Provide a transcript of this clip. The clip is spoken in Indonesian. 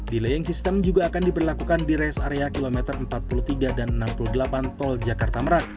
delaying system juga akan diperlakukan di rest area kilometer empat puluh tiga dan enam puluh delapan tol jakarta merak